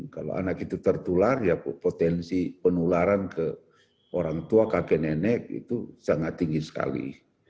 kalau anak itu tertular ya potensi penularan ke orang tua kakek nenek itu sangat tinggi sekali